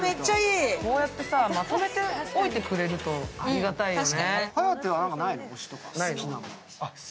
こうやってまとめて置いておいてくれるといいよね。